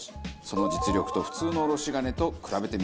その実力と普通のおろし金と比べてみましょう。